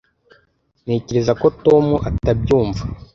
Ntekereza ko Tom atabyumva.